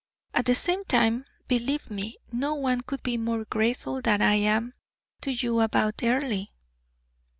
At the same time believe me no one could be more grateful than I am to you about Earle."